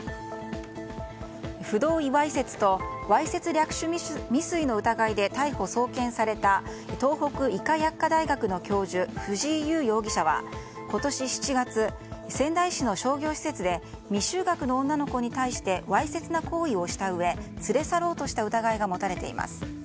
不同意わいせつとわいせつ略取未遂の疑いで逮捕・送検された東北医科薬科大学の教授藤井優容疑者は、今年７月仙台市の商業施設で未就学の女の子に対してわいせつな行為をしたうえ連れ去ろうとした疑いが持たれています。